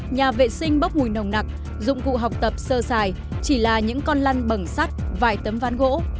nhà vệ sinh bốc mùi nồng nặc dụng cụ học tập sơ xài chỉ là những con lăn bẩn sắt vài tấm ván gỗ